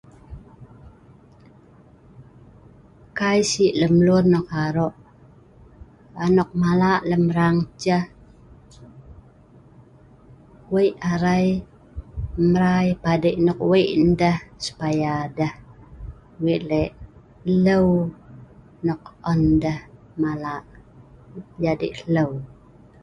Kai sik lem lun nok arok anok malak lem'rang ceh weik arai mrai padeik nok weik ndeh supaya deh weik lek hleu nok on deh malak jadi hleu